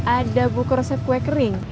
ada buku resep kue kering